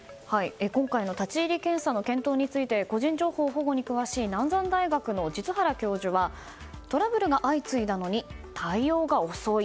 今回の立ち入り検査の検討について個人情報保護に詳しい南山大学の實原教授はトラブルが相次いだのに対応が遅い。